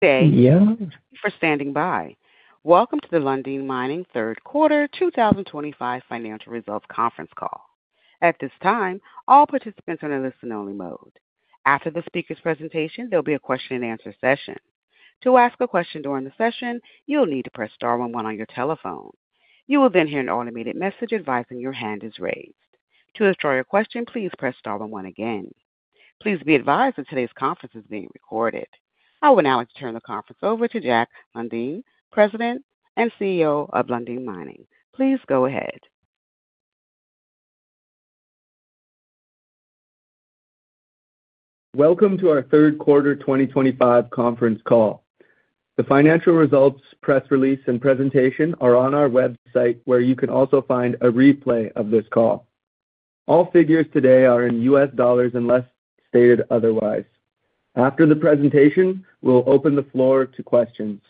Thank you for standing by. Welcome to the Lundin Mining Third Quarter 2025 Financial Results Conference Call. At this time, all participants are in a listen-only mode. After the speaker's presentation, there will be a question-and-answer session. To ask a question during the session, you'll need to press star one-one on your telephone. You will then hear an automated message advising your hand is raised. To withdraw your question, please press star one-one again. Please be advised that today's conference is being recorded. I will now turn the conference over to Jack Lundin, President and CEO of Lundin Mining. Please go ahead. Welcome to our Third Quarter 2025 Conference Call. The financial results press release and presentation are on our website, where you can also find a replay of this call. All figures today are in US dollars unless stated otherwise. After the presentation, we'll open the floor to questions.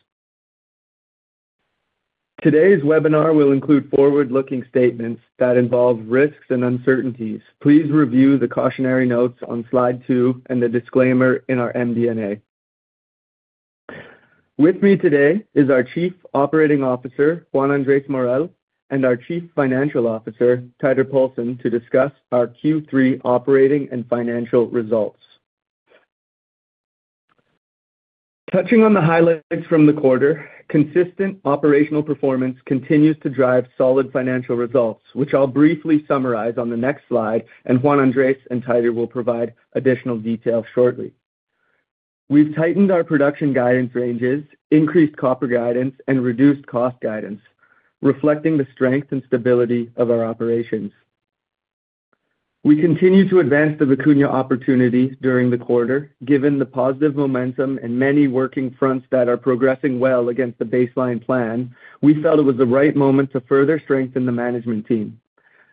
Today's webinar will include forward-looking statements that involve risks and uncertainties. Please review the cautionary notes on slide two and the disclaimer in our MD&A. With me today is our Chief Operating Officer, Juan Andrés Morel, and our Chief Financial Officer, Teitur Poulsen, to discuss our Q3 operating and financial results. Touching on the highlights from the quarter, consistent operational performance continues to drive solid financial results, which I'll briefly summarize on the next slide, and Juan Andrés and Teitur will provide additional detail shortly. We've tightened our production guidance ranges, increased copper guidance, and reduced cost guidance, reflecting the strength and stability of our operations. We continue to advance the Vicuña opportunity during the quarter. Given the positive momentum and many working fronts that are progressing well against the baseline plan, we felt it was the right moment to further strengthen the management team.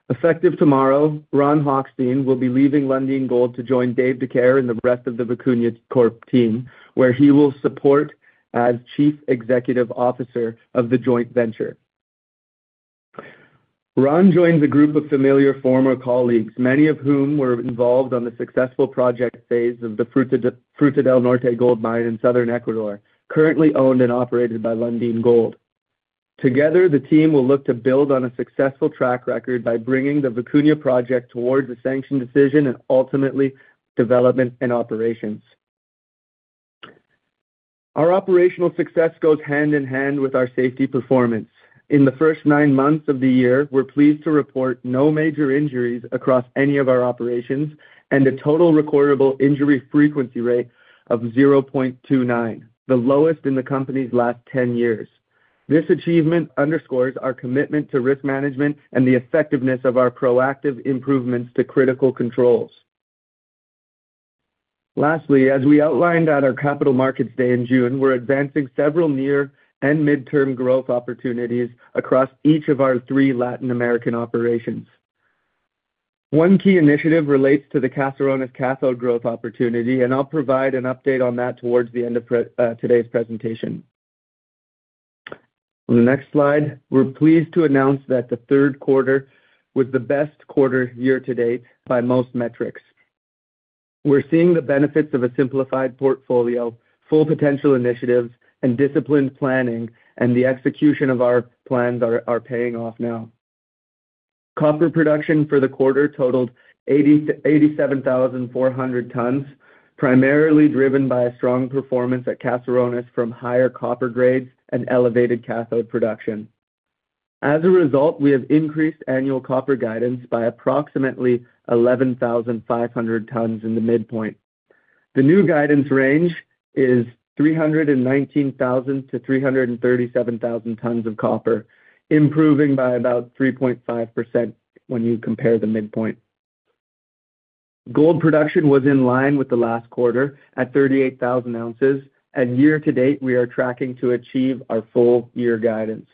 Effective tomorrow, Ron Hochstein will be leaving Lundin Gold to join Dave Decarie and the rest of the Vicuña Corp team, where he will support as Chief Executive Officer of the joint venture. Ron joins a group of familiar former colleagues, many of whom were involved on the successful project phase of the Fruta del Norte Gold Mine in southern Ecuador, currently owned and operated by Lundin Gold. Together, the team will look to build on a successful track record by bringing the Vicuña project towards a sanctioned decision and ultimately development and operations. Our operational success goes hand in hand with our safety performance. In the first nine months of the year, we're pleased to report no major injuries across any of our operations and a total recordable injury frequency rate of 0.29, the lowest in the company's last 10 years. This achievement underscores our commitment to risk management and the effectiveness of our proactive improvements to critical controls. Lastly, as we outlined at our Capital Markets Day in June, we're advancing several near and mid-term growth opportunities across each of our three Latin American operations. One key initiative relates to the Caserones cathode growth opportunity, and I'll provide an update on that towards the end of today's presentation. On the next slide, we're pleased to announce that the third quarter was the best quarter year-to-date by most metrics. We're seeing the benefits of a simplified portfolio, full potential initiatives, and disciplined planning, and the execution of our plans are paying off now. Copper production for the quarter totaled 87,400 tons, primarily driven by strong performance at Caserones from higher copper grades and elevated cathode production. As a result, we have increased annual copper guidance by approximately 11,500 tons in the midpoint. The new guidance range is 319,000-337,000 tons of copper, improving by about 3.5% when you compare the midpoint. Gold production was in line with the last quarter at 38,000 ounces, and year to date we are tracking to achieve our full year guidance.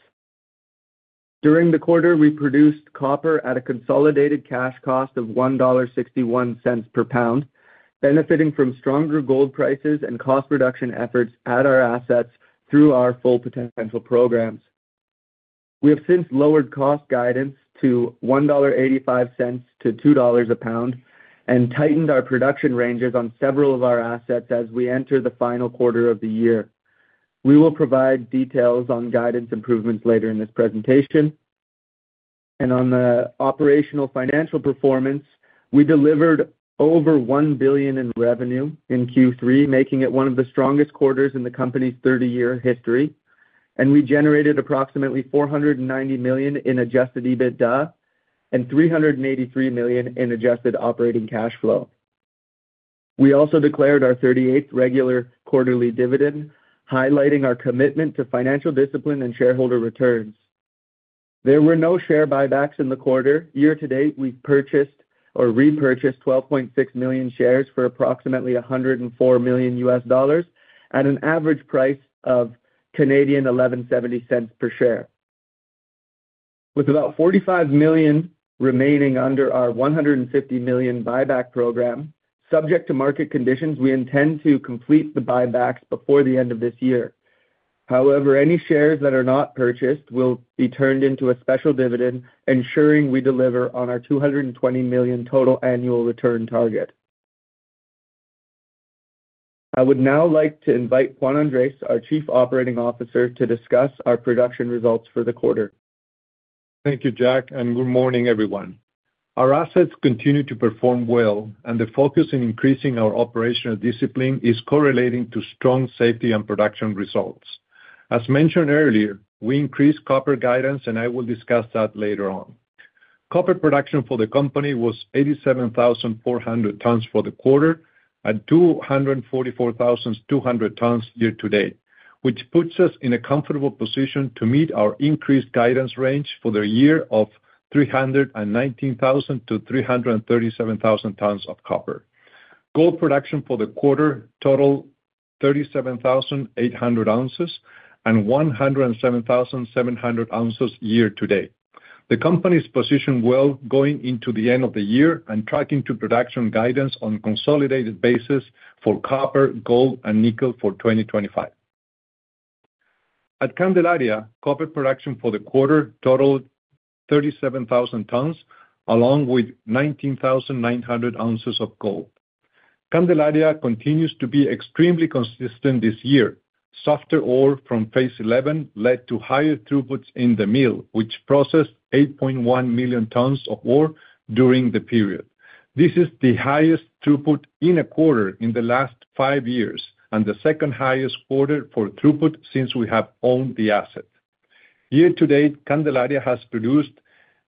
During the quarter, we produced copper at a consolidated cash cost of $1.61 per pound, benefiting from stronger gold prices and cost reduction efforts at our assets through our full potential programs. We have since lowered cost guidance to $1.85-$2 per pound and tightened our production ranges on several of our assets as we enter the final quarter of the year. We will provide details on guidance improvements later in this presentation. On the operational financial performance, we delivered over $1 billion in revenue in Q3, making it one of the strongest quarters in the company's 30-year history, and we generated approximately $490 million in adjusted EBITDA and $383 million in adjusted operating cash flow. We also declared our 38th regular quarterly dividend, highlighting our commitment to financial discipline and shareholder returns. There were no share buybacks in the quarter. Year-to-date, we've purchased or repurchased 12.6 million shares for approximately $104 million at an average price of 11.70 per share. With about $45 million remaining under our $150 million buyback program, subject to market conditions, we intend to complete the buybacks before the end of this year. However, any shares that are not purchased will be turned into a special dividend, ensuring we deliver on our $220 million total annual return target. I would now like to invite Juan Andrés, our Chief Operating Officer, to discuss our production results for the quarter. Thank you, Jack, and good morning, everyone. Our assets continue to perform well, and the focus in increasing our operational discipline is correlating to strong safety and production results. As mentioned earlier, we increased copper guidance, and I will discuss that later on. Copper production for the company was 87,400 tons for the quarter at 244,200 tons year to date, which puts us in a comfortable position to meet our increased guidance range for the year of 319,000-337,000 tons of copper. Gold production for the quarter totaled 37,800 ounces and 107,700 ounces year to date. The company is positioned well, going into the end of the year and tracking production guidance on a consolidated basis for copper, gold, and nickel for 2025. At Candelaria, copper production for the quarter totaled 37,000 tons, along with 19,900 ounces of gold. Candelaria continues to be extremely consistent this year. Softer ore from phase 11 led to higher throughputs in the mill, which processed 8.1 million tons of ore during the period. This is the highest throughput in a quarter in the last five years and the second highest quarter for throughput since we have owned the asset. Year-to-date, Candelaria has produced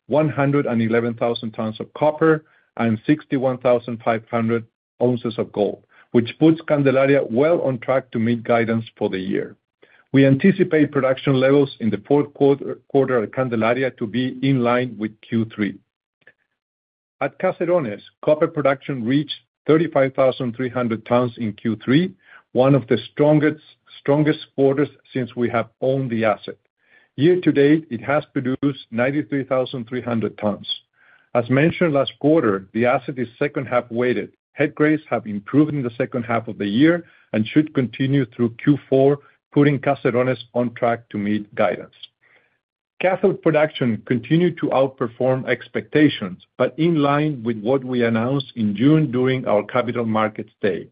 111,000 tons of copper and 61,500 ounces of gold, which puts Candelaria well on track to meet guidance for the year. We anticipate production levels in the fourth quarter at Candelaria to be in line with Q3. At Caserones, copper production reached 35,300 tons in Q3, one of the strongest quarters since we have owned the asset. Year-to-date, it has produced 93,300 tons. As mentioned last quarter, the asset is second-half weighted. Head grades have improved in the second half of the year and should continue through Q4, putting Caserones on track to meet guidance. Cathode production continued to outperform expectations, but in line with what we announced in June during our Capital Markets Day.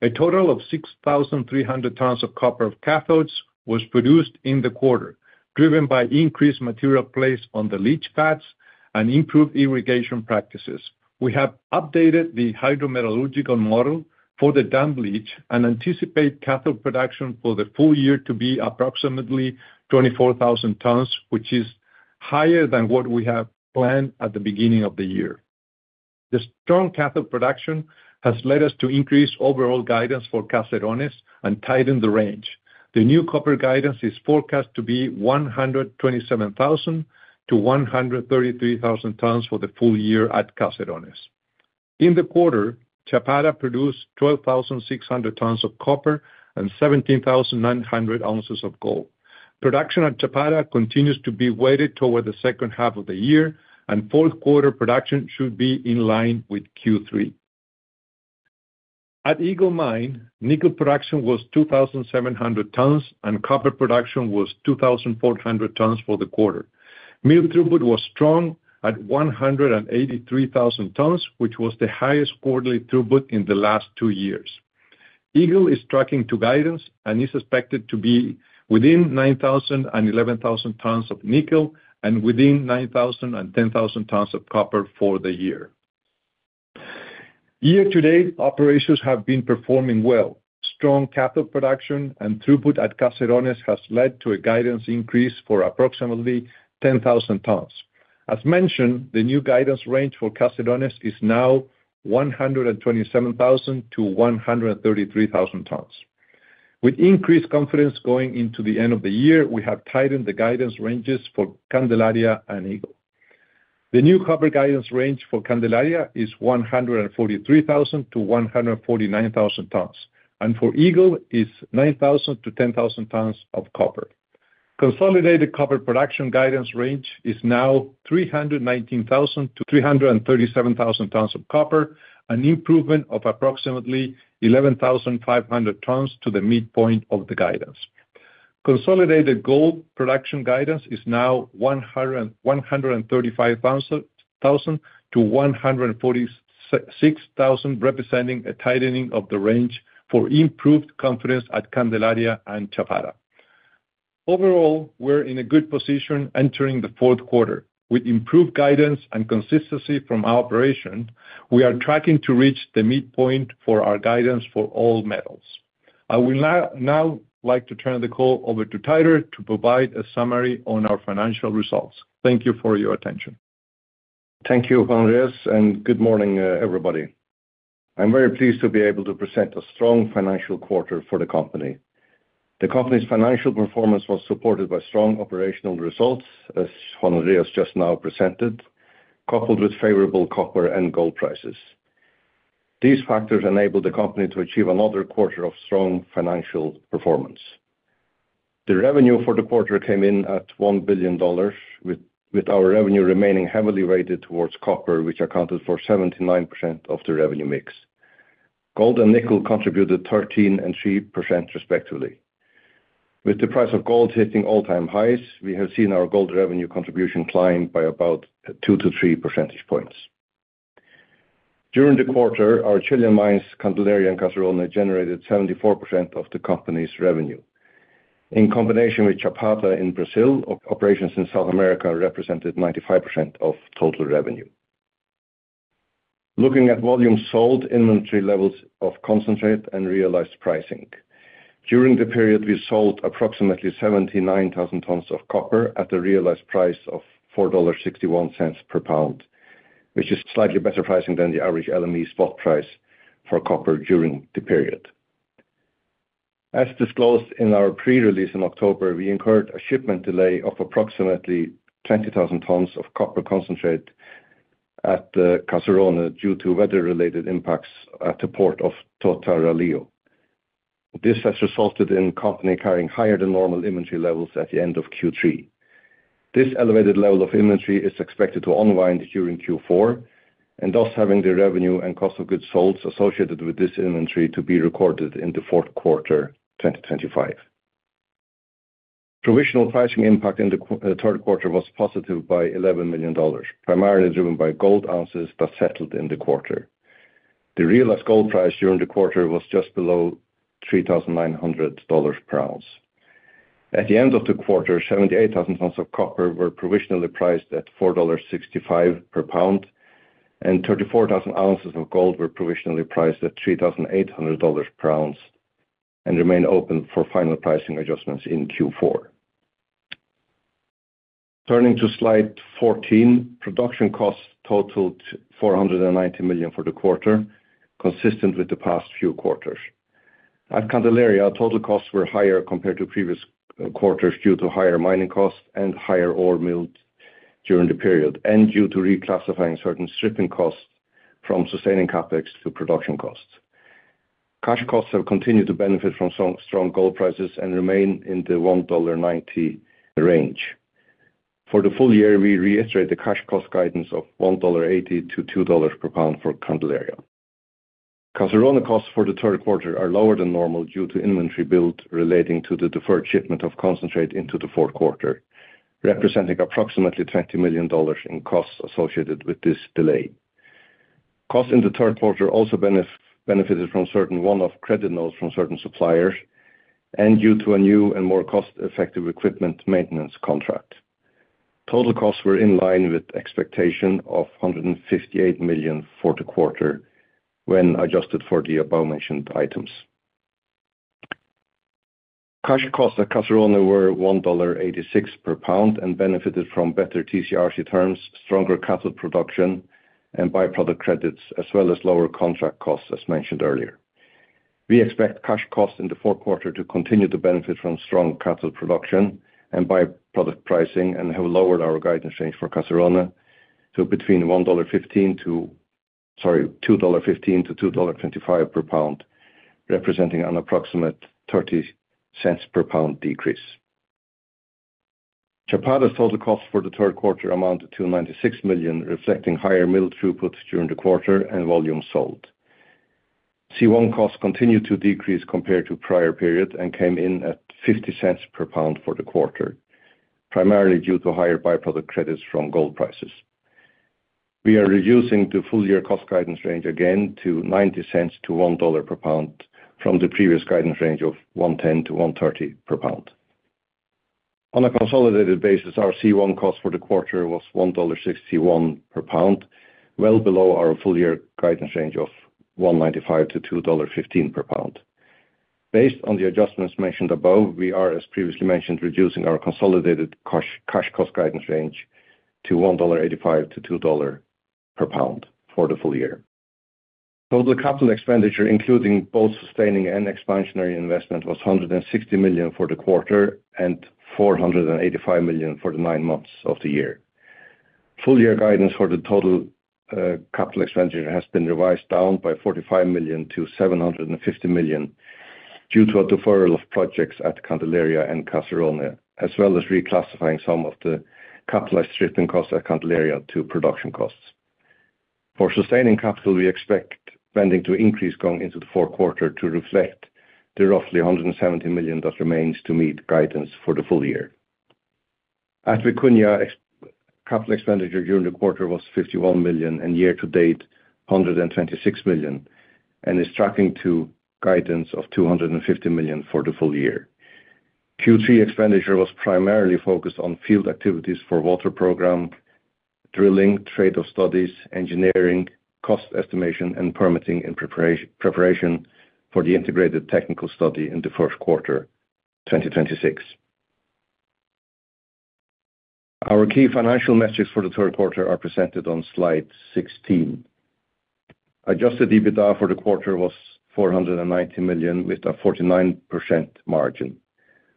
A total of 6,300 tons of copper cathodes was produced in the quarter, driven by increased material placed on the leach pads and improved irrigation practices. We have updated the hydrometallurgical model for the dump leach and anticipate cathode production for the full year to be approximately 24,000 tons, which is higher than what we had planned at the beginning of the year. The strong cathode production has led us to increase overall guidance for Caserones and tighten the range. The new copper guidance is forecast to be 127,000-133,000 tons for the full year at Caserones. In the quarter, Chapada produced 12,600 tons of copper and 17,900 ounces of gold. Production at Chapada continues to be weighted toward the second half of the year, and fourth quarter production should be in line with Q3. At Eagle Mine, nickel production was 2,700 tons and copper production was 2,400 tons for the quarter. Mill throughput was strong at 183,000 tons, which was the highest quarterly throughput in the last two years. Eagle is tracking to guidance and is expected to be within 9,000 and 11,000 tons of nickel and within 9,000 and 10,000 tons of copper for the year. Year-to-date, operations have been performing well. Strong cathode production and throughput at Caserones has led to a guidance increase for approximately 10,000 tons. As mentioned, the new guidance range for Caserones is now 127,000-133,000 tons. With increased confidence going into the end of the year, we have tightened the guidance ranges for Candelaria and Eagle. The new copper guidance range for Candelaria is 143,000-149,000 tons, and for Eagle is 9,000-10,000 tons of copper. Consolidated copper production guidance range is now 319,000-337,000 tons of copper, an improvement of approximately 11,500 tons to the midpoint of the guidance. Consolidated gold production guidance is now 135,000-146,000, representing a tightening of the range for improved confidence at Candelaria and Chapada. Overall, we're in a good position entering the fourth quarter. With improved guidance and consistency from our operation, we are tracking to reach the midpoint for our guidance for all metals. I would now like to turn the call over to Teitur to provide a summary on our financial results. Thank you for your attention. Thank you, Juan, and good morning, everybody. I'm very pleased to be able to present a strong financial quarter for the company. The company's financial performance was supported by strong operational results, as Juan Andrés just now presented, coupled with favorable copper and gold prices. These factors enabled the company to achieve another quarter of strong financial performance. The revenue for the quarter came in at $1 billion, with our revenue remaining heavily weighted towards copper, which accounted for 79% of the revenue mix. Gold and nickel contributed 13% and 3% respectively. With the price of gold hitting all-time highs, we have seen our gold revenue contribution climb by about 2-3 percentage points. During the quarter, our Chilean mines, Candelaria and Caserones, generated 74% of the company's revenue. In combination with Chapada in Brazil, operations in South America represented 95% of total revenue. Looking at volume sold, inventory levels of concentrate and realized pricing. During the period, we sold approximately 79,000 tons of copper at the realized price of $4.61 per pound, which is slightly better pricing than the average LME spot price for copper during the period. As disclosed in our pre-release in October, we incurred a shipment delay of approximately 20,000 tons of copper concentrate at Caserones due to weather-related impacts at the port of Puerto Angamos. This has resulted in the company carrying higher than normal inventory levels at the end of Q3. This elevated level of inventory is expected to unwind during Q4 and thus having the revenue and cost of goods sold associated with this inventory to be recorded in the fourth quarter 2025. Provisional pricing impact in the third quarter was positive by $11 million, primarily driven by gold ounces that settled in the quarter. The realized gold price during the quarter was just below $3,900 per ounce. At the end of the quarter, 78,000 tons of copper were provisionally priced at $4.65 per pound, and 34,000 ounces of gold were provisionally priced at $3,800 per ounce and remain open for final pricing adjustments in Q4. Turning to slide 14, production costs totaled $490 million for the quarter, consistent with the past few quarters. At Candelaria, total costs were higher compared to previous quarters due to higher mining costs and higher ore milled during the period, and due to reclassifying certain stripping costs from sustaining CapEx to production costs. Cash costs have continued to benefit from strong gold prices and remain in the $1.90 range. For the full year, we reiterate the cash cost guidance of $1.80-$2 per pound for Candelaria. Caserones and its costs for the third quarter are lower than normal due to inventory build relating to the deferred shipment of concentrate into the fourth quarter, representing approximately $20 million in costs associated with this delay. Costs in the third quarter also benefited from certain one-off credit notes from certain suppliers and due to a new and more cost-effective equipment maintenance contract. Total costs were in line with expectation of $158 million for the quarter when adjusted for the above-mentioned items. Cash costs at Caserones were $1.86 per pound and benefited from better TCRC terms, stronger cathode production, and byproduct credits, as well as lower contract costs, as mentioned earlier. We expect cash costs in the fourth quarter to continue to benefit from strong cathode production and byproduct pricing and have lowered our guidance range for Candelaria to between $1.15-$2.25 per pound, representing an approximate $0.30 per pound decrease. Chapada's total costs for the third quarter amounted to $96 million, reflecting higher mill throughputs during the quarter and volume sold. C1 costs continued to decrease compared to the prior period and came in at $0.50 per pound for the quarter, primarily due to higher byproduct credits from gold prices. We are reducing the full year cost guidance range again to $0.90-$1 per pound from the previous guidance range of $1.10-$1.30 per pound. On a consolidated basis, our C1 cost for the quarter was $1.61 per pound, well below our full year guidance range of $1.95-$2.15 per pound. Based on the adjustments mentioned above, we are, as previously mentioned, reducing our consolidated cash cost guidance range to $1.85-$2 per pound for the full year. Total capital expenditure, including both sustaining and expansionary investment, was $160 million for the quarter and $485 million for the nine months of the year. Full year guidance for the total capital expenditure has been revised down by $45 million to $750 million due to a deferral of projects at Candelaria and Caserones, as well as reclassifying some of the capitalized stripping costs at Candelaria to production costs. For sustaining capital, we expect spending to increase going into the fourth quarter to reflect the roughly $170 million that remains to meet guidance for the full year. At Vicuña, capital expenditure during the quarter was $51 million and year-to-date $126 million, and is tracking to guidance of $250 million for the full year. Q3 expenditure was primarily focused on field activities for the water program. Drilling, trade-off studies, engineering, cost estimation, and permitting in preparation for the integrated technical study in the first quarter 2026. Our key financial metrics for the third quarter are presented on slide 16. Adjusted EBITDA for the quarter was $490 million with a 49% margin.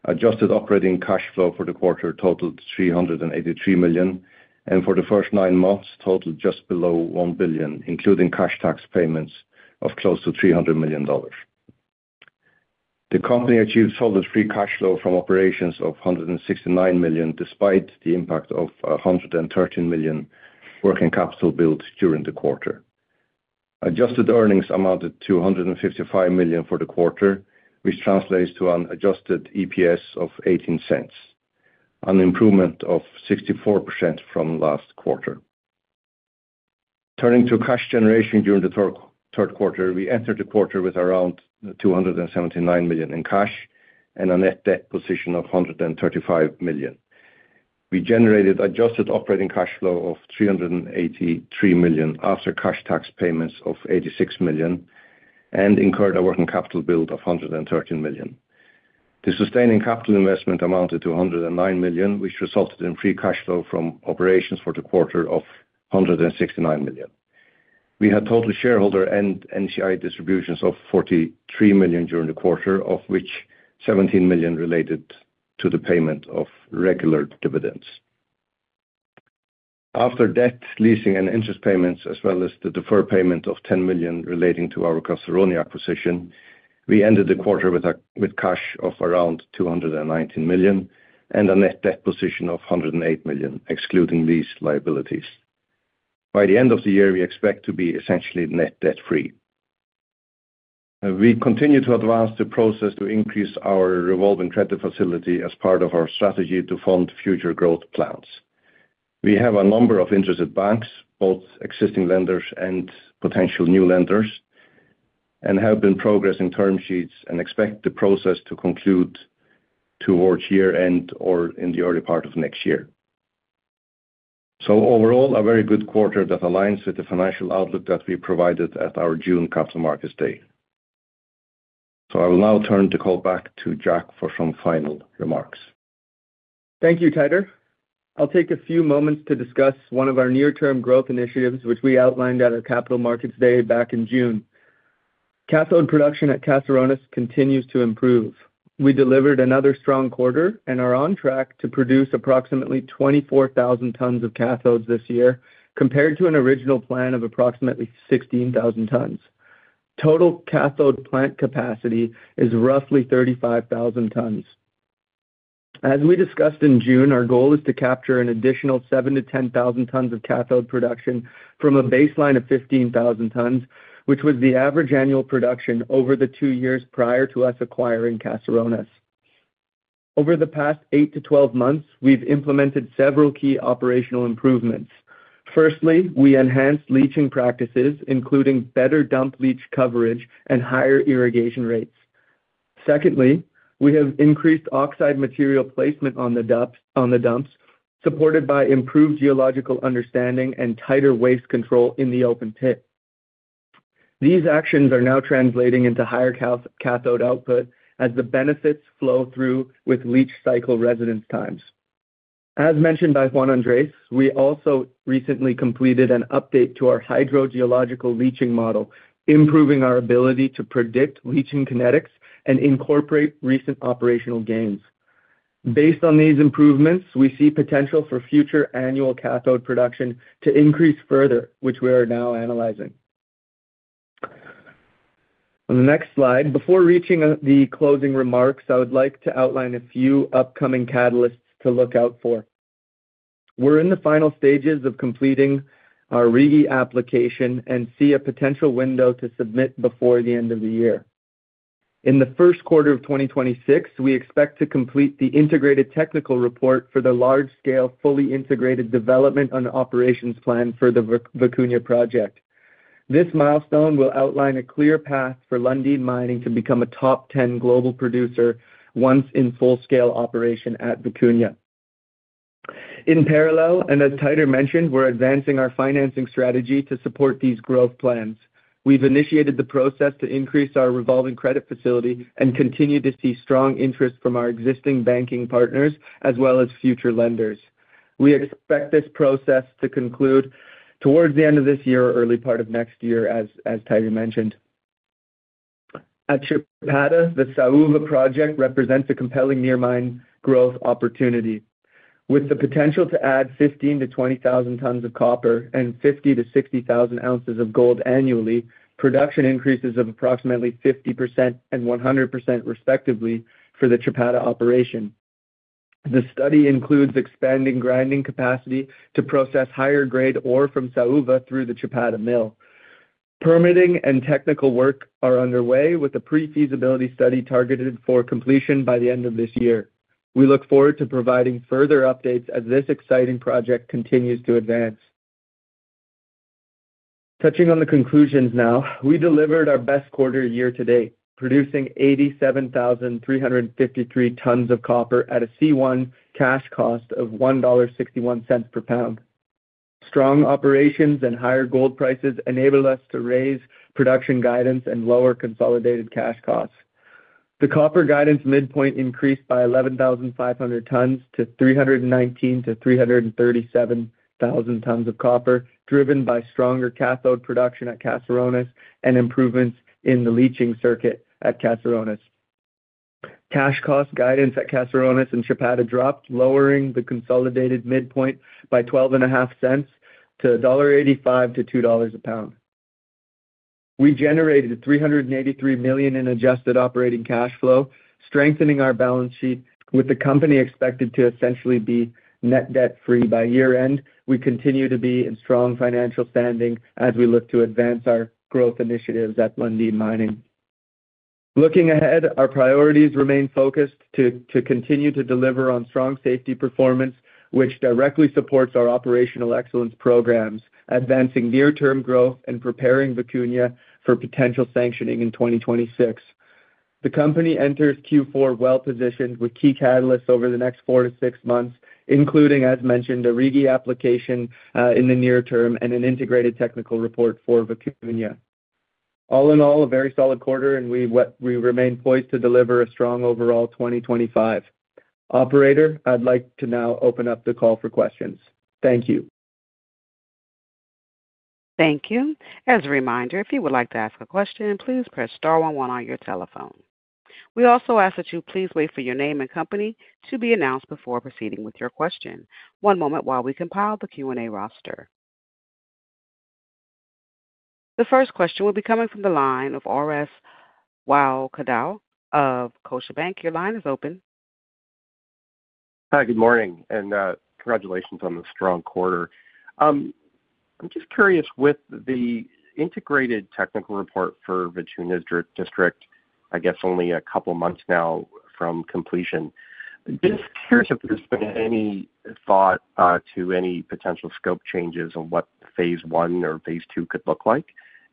Adjusted operating cash flow for the quarter totaled $383 million, and for the first nine months totaled just below $1 billion, including cash tax payments of close to $300 million. The company achieved solid free cash flow from operations of $169 million, despite the impact of $113 million working capital build during the quarter. Adjusted earnings amounted to $155 million for the quarter, which translates to an adjusted EPS of $0.18. An improvement of 64% from last quarter. Turning to cash generation during the third quarter, we entered the quarter with around $279 million in cash and a net debt position of $135 million. We generated adjusted operating cash flow of $383 million after cash tax payments of $86 million. We incurred a working capital build of $113 million. The sustaining capital investment amounted to $109 million, which resulted in free cash flow from operations for the quarter of $169 million. We had total shareholder and NCI distributions of $43 million during the quarter, of which $17 million related to the payment of regular dividends. After debt leasing and interest payments, as well as the deferred payment of $10 million relating to our Caserones acquisition, we ended the quarter with cash of around $219 million and a net debt position of $108 million, excluding lease liabilities. By the end of the year, we expect to be essentially net debt-free. We continue to advance the process to increase our revolving credit facility as part of our strategy to fund future growth plans. We have a number of interested banks, both existing lenders and potential new lenders. We have been progressing term sheets and expect the process to conclude towards year-end or in the early part of next year. Overall, a very good quarter that aligns with the financial outlook that we provided at our June capital markets day. I will now turn the call back to Jack for some final remarks. Thank you, Teitur. I'll take a few moments to discuss one of our near-term growth initiatives, which we outlined at our capital markets day back in June. Cathode production at Caserones continues to improve. We delivered another strong quarter and are on track to produce approximately 24,000 tons of cathodes this year, compared to an original plan of approximately 16,000 tons. Total cathode plant capacity is roughly 35,000 tons. As we discussed in June, our goal is to capture an additional 7,000-10,000 tons of cathode production from a baseline of 15,000 tons, which was the average annual production over the two years prior to us acquiring Caserones. Over the past 8-12 months, we've implemented several key operational improvements. Firstly, we enhanced leaching practices, including better dump leach coverage and higher irrigation rates. Secondly, we have increased oxide material placement on the dumps, supported by improved geological understanding and tighter waste control in the open pit. These actions are now translating into higher cathode output as the benefits flow through with leach cycle residence times. As mentioned by Juan Andrés, we also recently completed an update to our hydrogeological leaching model, improving our ability to predict leaching kinetics and incorporate recent operational gains. Based on these improvements, we see potential for future annual cathode production to increase further, which we are now analyzing. On the next slide, before reaching the closing remarks, I would like to outline a few upcoming catalysts to look out for. We're in the final stages of completing our re-application and see a potential window to submit before the end of the year. In the first quarter of 2026, we expect to complete the integrated technical report for the large-scale fully integrated development and operations plan for the Vicuña project. This milestone will outline a clear path for Lundin Mining to become a top 10 global producer once in full-scale operation at Vicuña. In parallel, and as Teitur mentioned, we're advancing our financing strategy to support these growth plans. We've initiated the process to increase our revolving credit facility and continue to see strong interest from our existing banking partners, as well as future lenders. We expect this process to conclude towards the end of this year or early part of next year, as Teitur mentioned. At Chapada, the Saúva project represents a compelling near-mine growth opportunity. With the potential to add 15,000-20,000 tons of copper and 50,000-60,000 ounces of gold annually, production increases of approximately 50% and 100%, respectively, for the Chapada operation. The study includes expanding grinding capacity to process higher-grade ore from Saúva through the Chapada mill. Permitting and technical work are underway, with a pre-feasibility study targeted for completion by the end of this year. We look forward to providing further updates as this exciting project continues to advance. Touching on the conclusions now, we delivered our best quarter year to date, producing 87,353 tons of copper at a C1 cash cost of $1.61 per pound. Strong operations and higher gold prices enabled us to raise production guidance and lower consolidated cash costs. The copper guidance midpoint increased by 11,500 tons-319,000-337,000 tons of copper, driven by stronger cathode production at Caserones and improvements in the leaching circuit at Caserones. Cash cost guidance at Caserones and Chapada dropped, lowering the consolidated midpoint by $12.50 to $1.85-$2 a pound. We generated $383 million in adjusted operating cash flow, strengthening our balance sheet, with the company expected to essentially be net debt-free by year-end. We continue to be in strong financial standing as we look to advance our growth initiatives at Lundin Mining. Looking ahead, our priorities remain focused to continue to deliver on strong safety performance, which directly supports our operational excellence programs, advancing near-term growth and preparing Vicuña for potential sanctioning in 2026. The company enters Q4 well-positioned with key catalysts over the next four to six months, including, as mentioned, a re-application in the near term and an integrated technical report for Vicuña. All in all, a very solid quarter, and we remain poised to deliver a strong overall 2025. Operator, I'd like to now open up the call for questions. Thank you. Thank you. As a reminder, if you would like to ask a question, please press star 11 on your telephone. We also ask that you please wait for your name and company to be announced before proceeding with your question. One moment while we compile the Q&A roster. The first question will be coming from the line of Orest Wowkodaw of Scotiabank. Your line is open. Hi, good morning, and congratulations on the strong quarter. I'm just curious, with the integrated technical report for Vicuña's district, I guess only a couple of months now from completion. Just curious if there's been any thought to any potential scope changes on what phase one or phase two could look like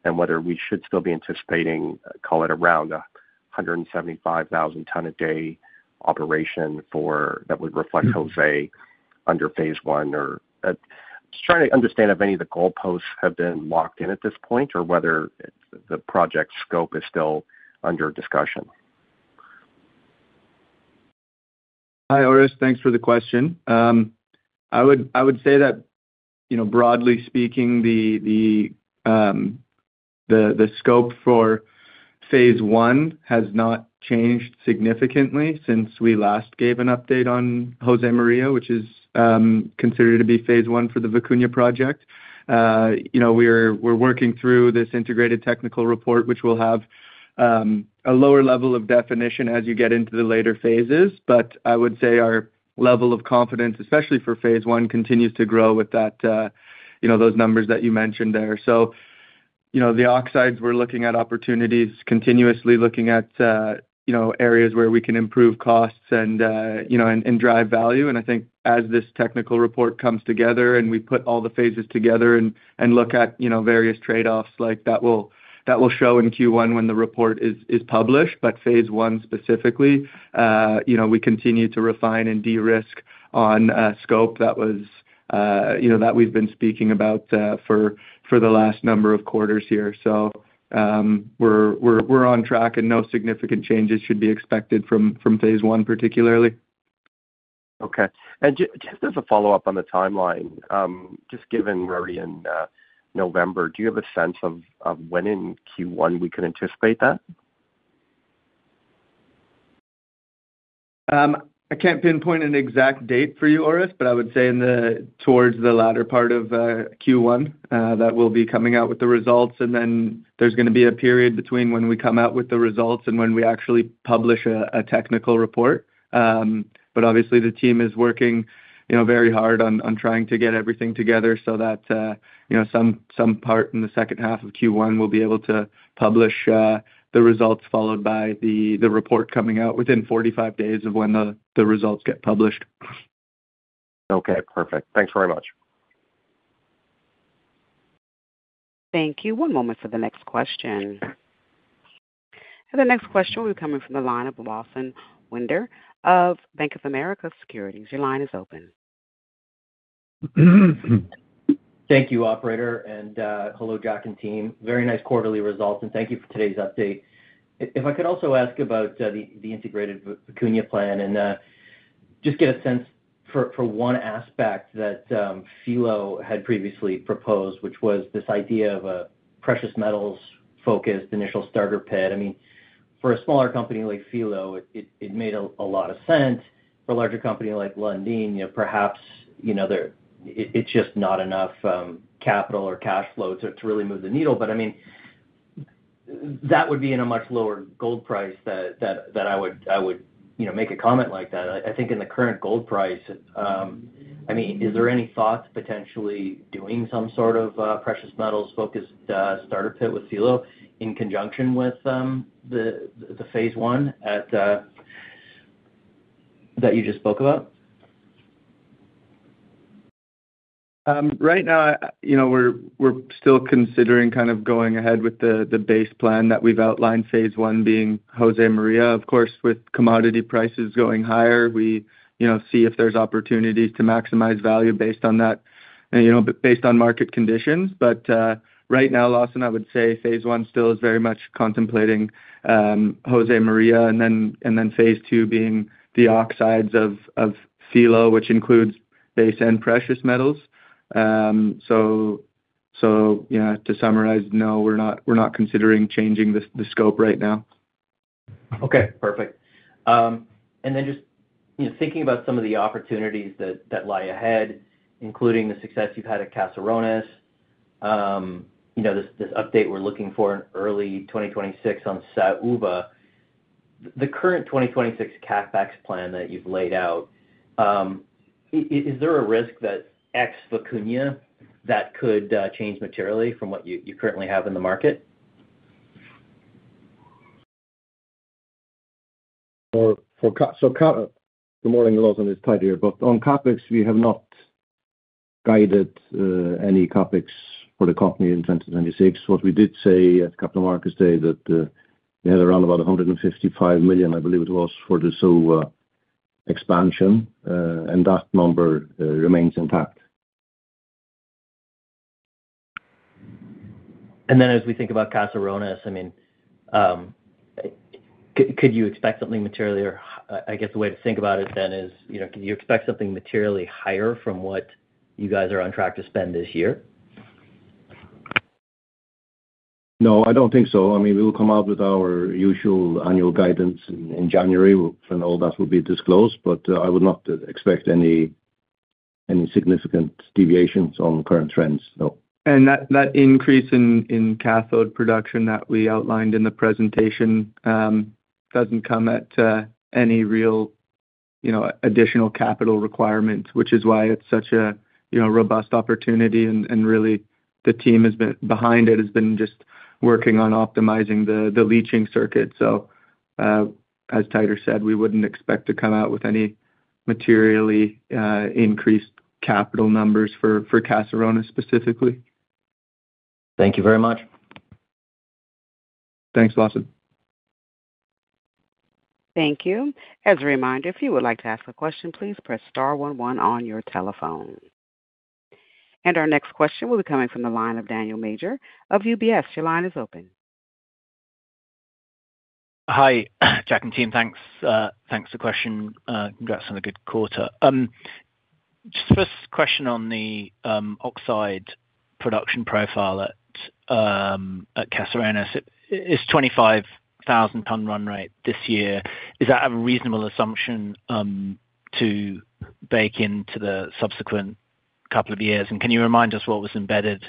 and whether we should still be anticipating, call it around a 175,000-ton-a-day operation that would reflect Jose under phase one or. Just trying to understand if any of the goal posts have been locked in at this point or whether the project scope is still under discussion. Hi, Orest. Thanks for the question. I would say that, broadly speaking, the scope for phase one has not changed significantly since we last gave an update on Josemaría, which is considered to be phase one for the Vicuña project. We're working through this integrated technical report, which will have a lower level of definition as you get into the later phases, but I would say our level of confidence, especially for phase one, continues to grow with those numbers that you mentioned there. The oxides, we're looking at opportunities, continuously looking at areas where we can improve costs and drive value. I think as this technical report comes together and we put all the phases together and look at various trade-offs, that will show in Q1 when the report is published. Phase one specifically, we continue to refine and de-risk on scope that. We've been speaking about for the last number of quarters here. We're on track and no significant changes should be expected from phase one, particularly. Okay. Just as a follow-up on the timeline, just given we're in November, do you have a sense of when in Q1 we could anticipate that? I can't pinpoint an exact date for you, Orest, but I would say towards the latter part of Q1 that we'll be coming out with the results. There is going to be a period between when we come out with the results and when we actually publish a technical report. Obviously, the team is working very hard on trying to get everything together so that some part in the second half of Q1 we'll be able to publish the results, followed by the report coming out within 45 days of when the results get published. Okay. Perfect. Thanks very much. Thank you. One moment for the next question. The next question will be coming from the line of Lawson Winder of Bank of America Securities. Your line is open. Thank you, Operator, and hello, Jack and team. Very nice quarterly results, and thank you for today's update. If I could also ask about the integrated Vicuña plan and just get a sense for one aspect that Filo had previously proposed, which was this idea of a precious metals-focused initial starter pit. I mean, for a smaller company like Filo, it made a lot of sense. For a larger company like Lundin, perhaps it's just not enough capital or cash flow to really move the needle. I mean, that would be in a much lower gold price that I would make a comment like that. I think in the current gold price, I mean, is there any thought potentially doing some sort of precious metals-focused starter pit with Filo in conjunction with the phase one that you just spoke about? Right now, we're still considering kind of going ahead with the base plan that we've outlined, phase one being Josemaría. Of course, with commodity prices going higher, we see if there's opportunities to maximize value based on that, based on market conditions. Right now, Lawson, I would say phase one still is very much contemplating Josemaría, and then phase two being the oxides of Filo, which includes base and precious metals. To summarize, no, we're not considering changing the scope right now. Okay. Perfect. And then just thinking about some of the opportunities that lie ahead, including the success you've had at Caserones. This update we're looking for in early 2026 on Saúva. The current 2026 CapEx plan that you've laid out. Is there a risk that's ex-Vicuña that could change materially from what you currently have in the market? Good morning, Lawson. It's Teitur here. On CapEx, we have not guided any CapEx for the company in 2026. What we did say at Capital Markets Day is that we had around $155 million, I believe it was, for the Saúva expansion, and that number remains intact. As we think about Caserones and his, I mean. Could you expect something materially, or I guess the way to think about it then is, could you expect something materially higher from what you guys are on track to spend this year? No, I don't think so. I mean, we will come out with our usual annual guidance in January, and all that will be disclosed, but I would not expect any significant deviations on current trends, no. That increase in cathode production that we outlined in the presentation does not come at any real additional capital requirements, which is why it is such a robust opportunity. Really, the team behind it has been just working on optimizing the leaching circuit. As Teitur said, we would not expect to come out with any materially increased capital numbers for Caserones specifically. Thank you very much. Thanks, Lawson. Thank you. As a reminder, if you would like to ask a question, please press star 11 on your telephone. Our next question will be coming from the line of Daniel Major of UBS. Your line is open. Hi, Jack and team. Thanks for the question. Congrats on a good quarter. Just first question on the oxide production profile at Caserones. Is this 25,000-ton run rate this year a reasonable assumption to bake into the subsequent couple of years? Can you remind us what was embedded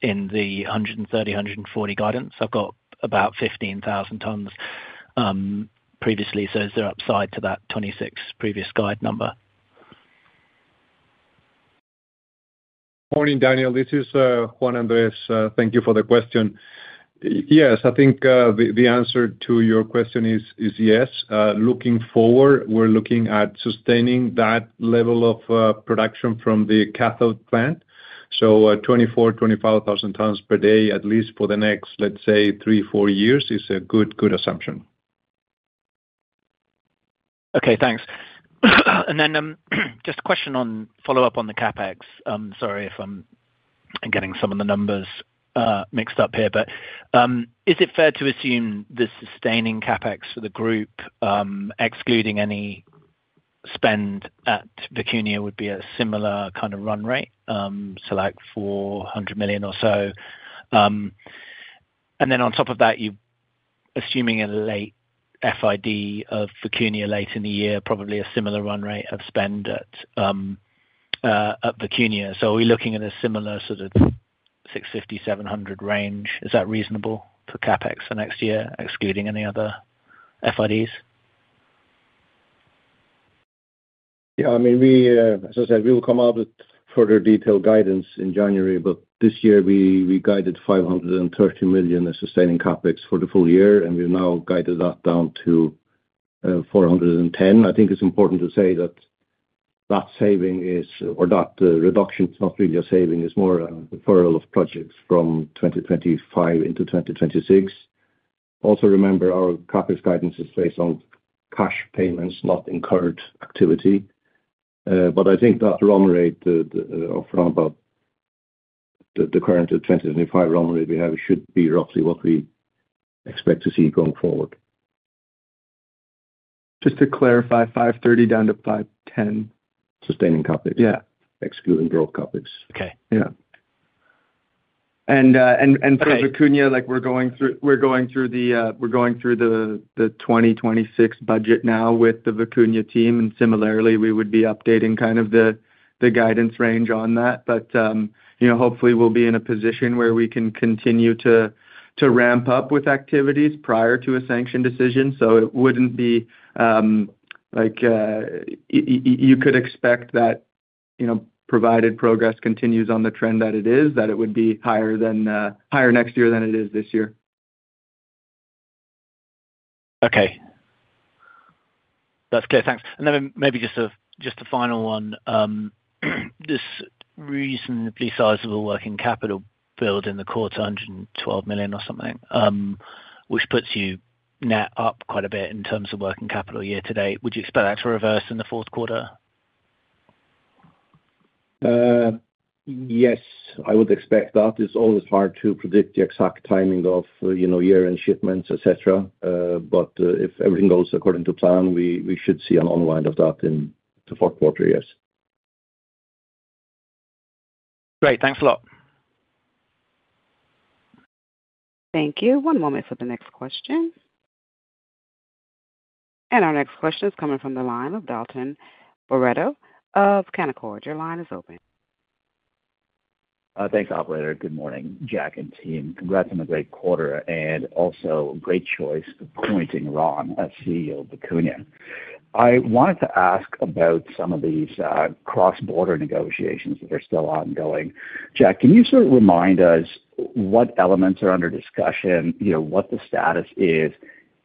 in the 130,000-140,000 guidance? I've got about 15,000 tons previously, so is there upside to that 26,000 previous guide number? Morning, Daniel. This is Juan Andrés. Thank you for the question. Yes, I think the answer to your question is yes. Looking forward, we're looking at sustaining that level of production from the cathode plant. So 24,000-25,000 tons per day, at least for the next, let's say, three, four years is a good assumption. Okay. Thanks. Just a question on follow-up on the CapEx. Sorry if I'm getting some of the numbers mixed up here, but is it fair to assume the sustaining CapEx for the group, excluding any spend at Vicuña, would be a similar kind of run rate, so like $400 million or so? On top of that, you're assuming a late FID of Vicuña late in the year, probably a similar run rate of spend at Vicuña. Are we looking at a similar sort of $650-$700 million range? Is that reasonable for CapEx for next year, excluding any other FIDs? Yeah. I mean, as I said, we will come out with further detailed guidance in January, but this year, we guided $530 million in sustaining CapEx for the full year, and we've now guided that down to $410 million. I think it's important to say that that saving is, or that reduction is not really a saving. It's more a referral of projects from 2025 into 2026. Also, remember, our CapEx guidance is based on cash payments, not incurred activity. I think that run rate of around about the current 2025 run rate we have should be roughly what we expect to see going forward. Just to clarify, 530 down to 510? Sustaining CapEx. Excluding growth CapEx. Okay. Yeah. For Vicuña, we're going through the 2026 budget now with the Vicuña team, and similarly, we would be updating kind of the guidance range on that. Hopefully, we'll be in a position where we can continue to ramp up with activities prior to a sanction decision. It would not be like you could expect that. Provided progress continues on the trend that it is, it would be higher next year than it is this year. Okay. That's clear. Thanks. Maybe just a final one. This reasonably sizable working capital build in the quarter, $112 million or something, which puts you net up quite a bit in terms of working capital year-to-date. Would you expect that to reverse in the fourth quarter? Yes, I would expect that. It's always hard to predict the exact timing of year-end shipments, etc. If everything goes according to plan, we should see an unwind of that in the fourth quarter, yes. Great. Thanks a lot. Thank you. One moment for the next question. Our next question is coming from the line of Dalton Boro of Canaccord. Your line is open. Thanks, Operator. Good morning, Jack and team. Congrats on a great quarter and also a great choice to appointing Ron as CEO of Vicuña. I wanted to ask about some of these cross-border negotiations that are still ongoing. Jack, can you sort of remind us what elements are under discussion, what the status is.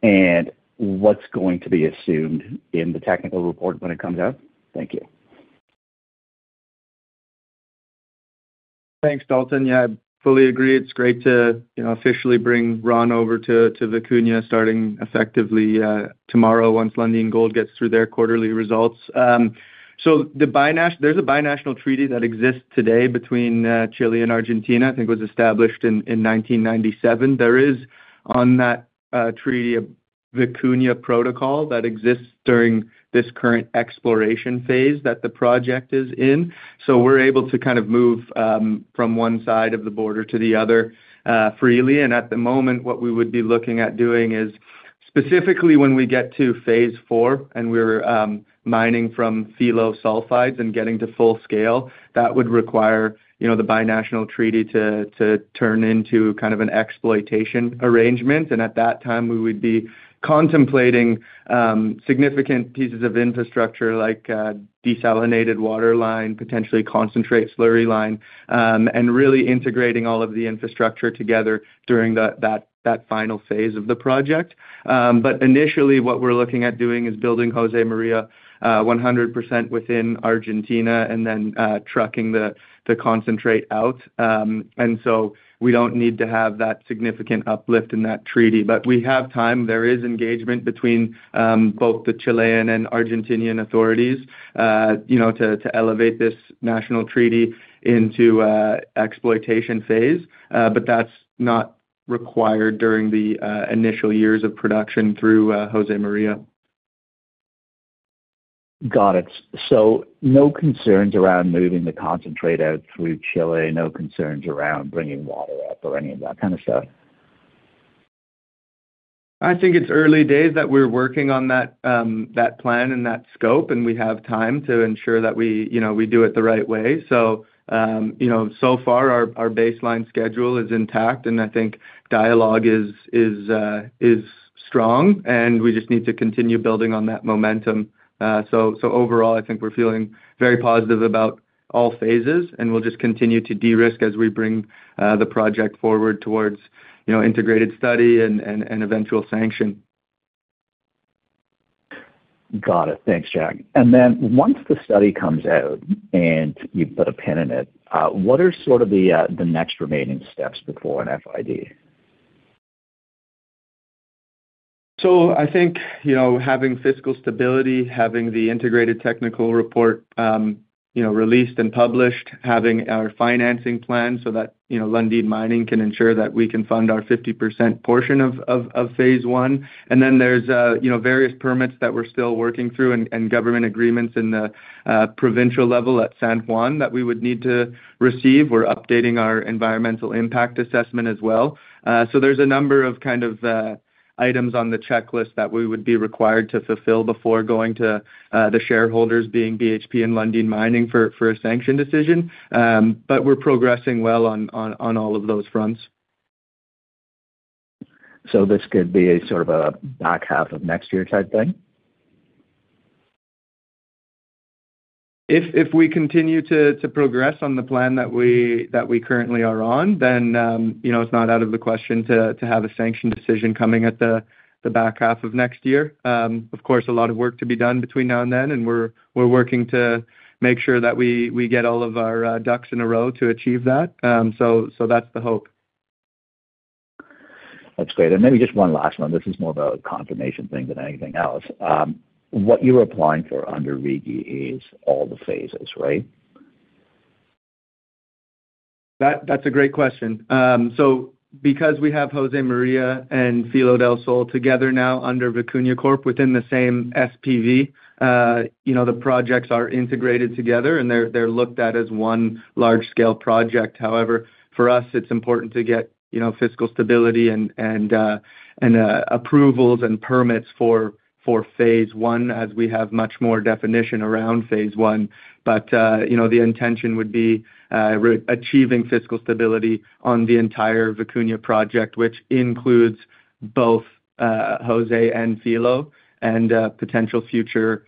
And what's going to be assumed in the technical report when it comes out? Thank you. Thanks, Dalton. Yeah, I fully agree. It's great to officially bring Ron over to Vicuña starting effectively tomorrow once Lundin Gold gets through their quarterly results. There is a binational treaty that exists today between Chile and Argentina. I think it was established in 1997. There is, on that treaty, a Vicuña protocol that exists during this current exploration phase that the project is in. We're able to kind of move from one side of the border to the other freely. At the moment, what we would be looking at doing is specifically when we get to phase four and we're mining from Filo sulfides and getting to full scale, that would require the binational treaty to turn into kind of an exploitation arrangement. At that time, we would be contemplating significant pieces of infrastructure like desalinated water line, potentially concentrate slurry line, and really integrating all of the infrastructure together during that final phase of the project. Initially, what we're looking at doing is building Josemaría 100% within Argentina and then trucking the concentrate out. We do not need to have that significant uplift in that treaty. We have time. There is engagement between both the Chilean and Argentinian authorities to elevate this national treaty into exploitation phase. That is not required during the initial years of production through Josemaría. Got it. No concerns around moving the concentrate out through Chile, no concerns around bringing water up or any of that kind of stuff? I think it's early days that we're working on that plan and that scope, and we have time to ensure that we do it the right way. So far, our baseline schedule is intact, and I think dialogue is strong, and we just need to continue building on that momentum. Overall, I think we're feeling very positive about all phases, and we'll just continue to de-risk as we bring the project forward towards integrated study and eventual sanction. Got it. Thanks, Jack. Once the study comes out and you put a pin in it, what are sort of the next remaining steps before an FID? I think having fiscal stability, having the integrated technical report released and published, having our financing plan so that Lundin Mining can ensure that we can fund our 50% portion of phase one. Then there are various permits that we're still working through and government agreements at the provincial level at San Juan that we would need to receive. We're updating our environmental impact assessment as well. There are a number of items on the checklist that we would be required to fulfill before going to the shareholders, being BHP and Lundin Mining, for a sanction decision. We're progressing well on all of those fronts. Could this be sort of a back half of next year type thing? If we continue to progress on the plan that we currently are on, then it's not out of the question to have a sanction decision coming at the back half of next year. Of course, a lot of work to be done between now and then, and we're working to make sure that we get all of our ducks in a row to achieve that. That's the hope. That's great. Maybe just one last one. This is more of a confirmation thing than anything else. What you're applying for under RIGI is all the phases, right? That's a great question. Because we have Josemaría and Filo del Sol together now under Vicuña Corp within the same SPV, the projects are integrated together, and they're looked at as one large-scale project. However, for us, it's important to get fiscal stability and approvals and permits for phase one as we have much more definition around phase one. The intention would be achieving fiscal stability on the entire Vicuña project, which includes both Jose and Filo and potential future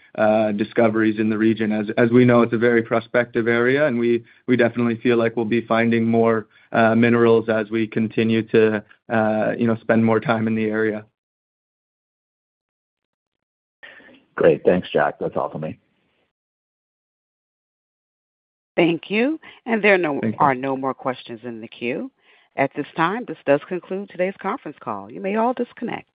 discoveries in the RIGIon. As we know, it's a very prospective area, and we definitely feel like we'll be finding more minerals as we continue to spend more time in the area. Great. Thanks, Jack. That's all for me. Thank you. There are no more questions in the queue. At this time, this does conclude today's conference call. You may all disconnect.